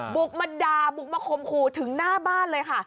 บุกมาด่าบุกมาคมขู่ถึงหน้าบ้านเลยค่ะ